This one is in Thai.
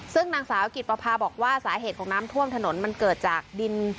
ซึ่งนางสาวจิตประพาบอกว่าสาเหตุของน้ำท่วมถนนมันเกิดจากดิน